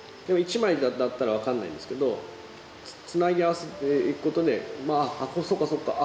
でも１枚だったら分かんないんですけどつなぎ合わせていくことであっそっかそっ